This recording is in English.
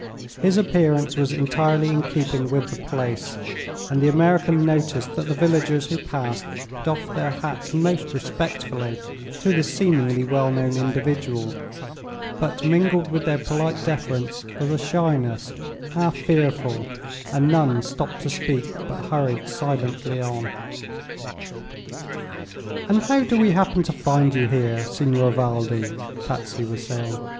His appearance was entirely in keeping with the place, and the American noticed that the villagers who passed doffed their hats most respectfully to this seemingly well known individual. But mingled with their polite deference was a shyness half fearful, and none stopped to speak but hurried silently on. "And how do we happen to find you here, Signor Valdi?" Patsy was saying.